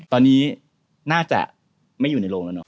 ตอนนี้น่าจะไม่อยู่ในโรงแล้วเน